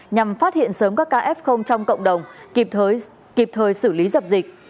nhằm phát hiện sớm các kf trong cộng đồng kịp thời xử lý dập dịch